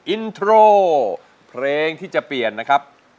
อินโทรเพลงที่จะเปลี่ยนนะครับ